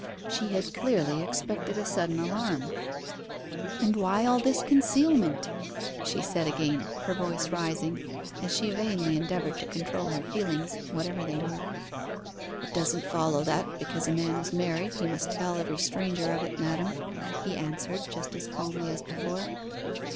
She had clearly expected a sudden alarm. 'And why all this concealment?' she said again, her voice rising, as she vainly endeavoured to control her feelings, whatever they were. 'It doesn't follow that, because a man is married, he must tell every stranger of it, madam,' he answered, just as calmly as before.